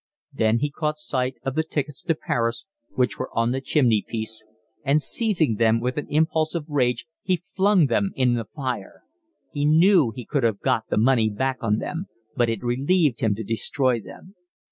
Then he caught sight of the tickets to Paris, which were on the chimney piece, and, seizing them, with an impulse of rage he flung them in the fire. He knew he could have got the money back on them, but it relieved him to destroy them.